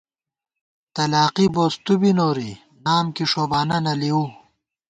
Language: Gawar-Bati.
تلاقی بوس تُو بی نوری، نام کی ݭوبانہ نہ لېؤو